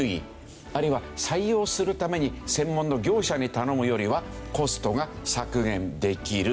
あるいは採用するために専門の業者に頼むよりはコストが削減できる。